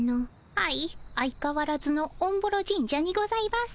はい相かわらずのおんぼろ神社にございます。